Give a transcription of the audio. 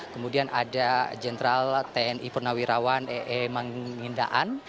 kemudian ada jenderal tni purnawirawan e e mangindaan